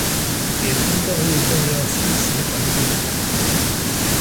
野生動物重要棲息環境